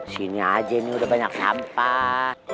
sini aja ini udah banyak sampah